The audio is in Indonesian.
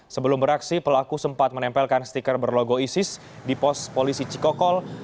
sebelum beraksi pelaku sempat menempelkan stiker berlogo isis di pos polisi cikokol